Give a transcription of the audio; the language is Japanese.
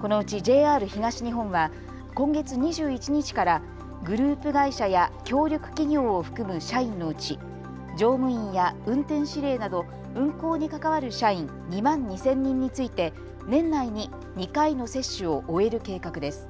このうちＪＲ東日本は今月２１日からグループ会社や協力企業を含む社員のうち乗務員や運転指令など運行に関わる社員、２万２０００人について年内に２回の接種を終える計画です。